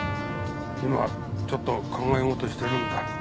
今はちょっと考え事してるんだ。